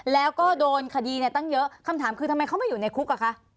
แล้วก็โดนคดีตั้งเยอะคำถามคือทำไมเขาไม่อยู่ในคุกอ่ะคะ